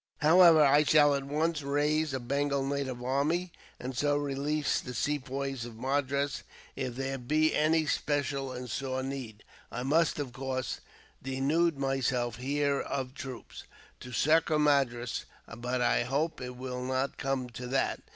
"However, I shall at once raise a Bengal native army, and so release the Sepoys of Madras. If there be any special and sore need, I must, of course, denude myself here of troops, to succour Madras; but I hope it will not come to that.